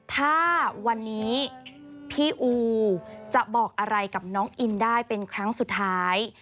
ถ้าวันนี้พี่อูจะบอกอะไรกับน้องอินได้เป็นครั้งสุดท้าย